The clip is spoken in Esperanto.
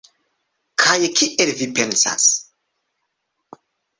Kaj kiel vi pensas?